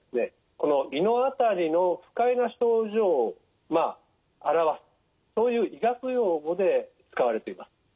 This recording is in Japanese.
この胃の辺りの不快な症状を表すそういう医学用語で使われています。